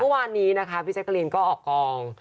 วันนี้นะคะพี่แจ๊กกะลินก็ออกกอง